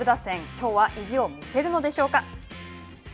きょうは意地を見せるのでしょうか。